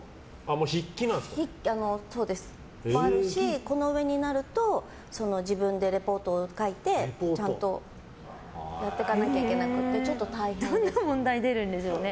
筆記もありますしこの上になると自分でリポートを書いてちゃんとやってかなきゃいけなくてどんな問題出るんでしょうね。